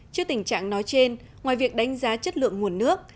trước tình trạng nói trên ngoài việc đánh giá chất lượng nguồn nước